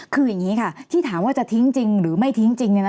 คืออย่างนี้ค่ะที่ถามว่าจะทิ้งจริงหรือไม่ทิ้งจริง